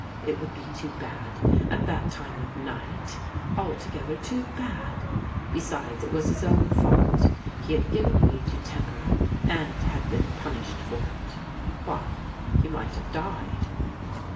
It would be too bad, at that time of night — altogether too bad. Besides, it was his own •fault. He had given way to temper, and had been punished for it. Why, he might have died.